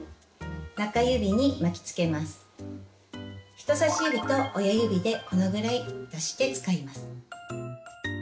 人さし指と親指でこのぐらい出して使います。